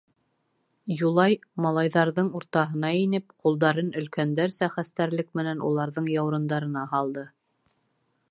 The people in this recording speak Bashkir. Юлай, малайҙарҙың уртаһына инеп, ҡулдарын өлкәндәрсә хәстәрлек менән уларҙың яурындарына һалды.